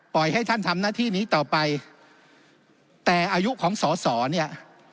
ให้ท่านทำหน้าที่นี้ต่อไปแต่อายุของสอสอเนี่ย